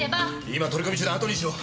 今取り込み中だあとにしろ。